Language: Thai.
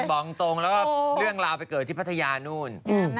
บอกตรงแล้วก็เรื่องราวไปเกิดที่พัทยานู่น